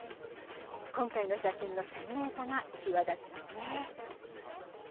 今回の写真の鮮明さが際立ちますね。